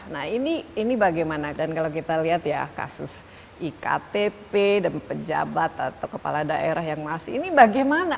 nah ini bagaimana dan kalau kita lihat ya kasus iktp dan pejabat atau kepala daerah yang masih ini bagaimana